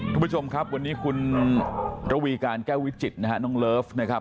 คุณผู้ชมครับวันนี้คุณระวีการแก้ววิจิตรนะฮะน้องเลิฟนะครับ